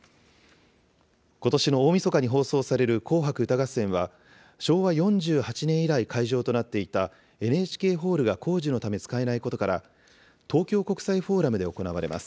ことしの大みそかに放送される紅白歌合戦は昭和４８年以来、会場となっていたＮＨＫホールが工事のため使えないことから、東京国際フォーラムで行われます。